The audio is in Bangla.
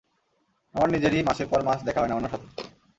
আমার নিজেরই মাসের পর মাস দেখা হয় না উনার সাথে।